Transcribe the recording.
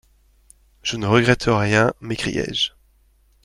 «Je ne regrette rien ! m'écriai-je.